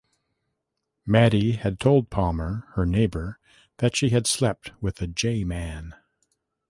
Maddie had told Palmer, her neighbor, that she had slept with a J man.